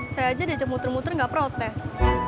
saya aja deh cemuter muter gak protes